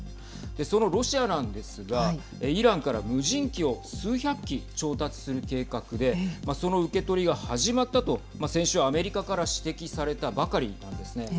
そのロシアなんですがイランから無人機を数百機調達する計画でその受け取りが始まったと先週、アメリカから指摘されたばかりなんですね。